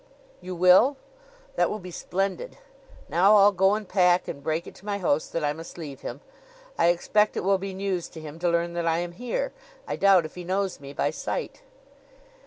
"You will? That will be splendid! Now I'll go and pack and break it to my host that I must leave him. I expect, it will be news to him to learn that I am here. I doubt if he knows me by sight."